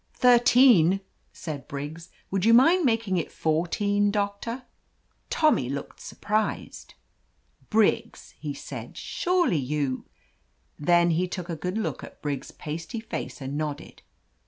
"Thirteen !" said Briggs. "Would you mind making it fourteen, Doctor?" Tommy looked surprised. "Briggs !" he said. "Surely you—" Then he took a good look at Briggs' pasty face and nodded.